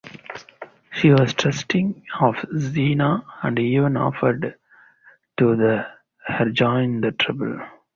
She was trusting of Xena and even offered to let her join the tribe.